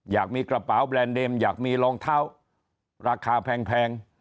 อยากมีกระเป๋าแบรนด์เดมอยากมีรองเท้าราคาแพง